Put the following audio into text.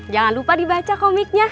jangan lupa dibaca komiknya